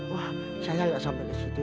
wah saya gak sabar disitu